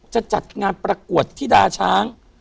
จะจัดงานประกวดที่ดาช้าง